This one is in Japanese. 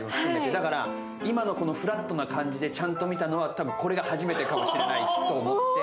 だから今のフラットな感じでちゃんと見たのはこれが多分初めてかもしれないと思って。